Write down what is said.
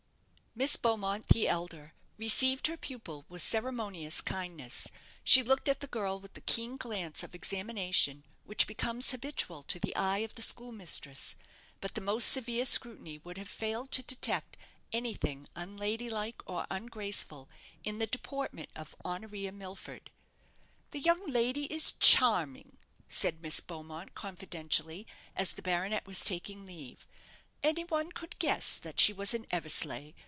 Miss Beaumont the elder received her pupil with ceremonious kindness. She looked at the girl with the keen glance of examination which becomes habitual to the eye of the schoolmistress; but the most severe scrutiny would have failed to detect anything unladylike or ungraceful in the deportment of Honoria Milford. "The young lady is charming," said Miss Beaumont, confidentially, as the baronet was taking leave; "any one could guess that she was an Eversleigh.